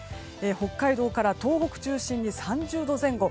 北海道から東北中心に３０度前後。